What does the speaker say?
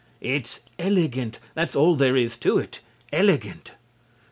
It's elegant, that's all there is to it, elegant.